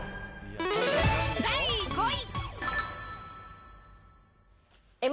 第５位。